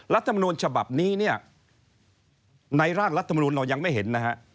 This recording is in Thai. รัฐมนูลฉบับนี้เนี่ยในร่างรัฐมนุนเรายังไม่เห็นนะฮะ